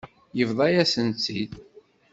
Yebḍa-yasen-tt-id.